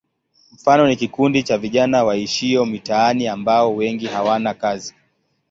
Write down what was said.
Mfano ni kikundi cha vijana waishio mitaani ambao wengi hawana kazi.